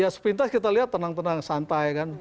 ya sepintas kita lihat tenang tenang santai kan